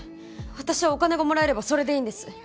私はお金がもらえればそれでいいんです